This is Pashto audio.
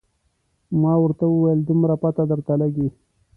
ما ورته وویل دومره پته درته لګي.